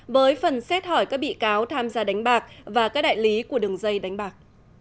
với phần xét hỏi các bị cáo tham gia đánh bạc và các đại lý của đường dây đánh bạc